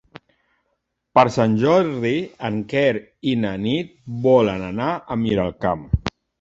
Per Sant Jordi en Quer i na Nit volen anar a Miralcamp.